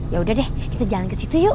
yaudah deh kita jalan ke situ yuk